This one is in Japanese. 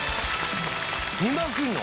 ２万切るの？